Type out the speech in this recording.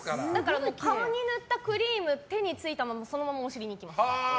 だから、顔に塗ったクリーム手についたままそのままお尻にいきます。